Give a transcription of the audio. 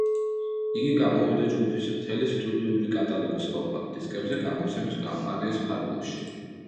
იგი გამოვიდა ჯგუფის მთელი სტუდიური კატალოგის კომპაქტ-დისკებზე გამოცემის კამპანიის ფარგლებში.